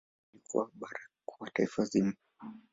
Wema huo pia ulikuwa baraka kwa taifa zima.